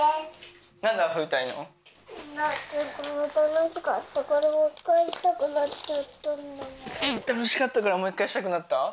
楽しかったからもう１回したくなった？